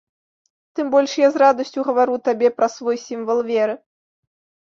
Тым больш я з радасцю гавару табе пра свой сімвал веры.